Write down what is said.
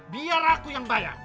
biar aku yang bayar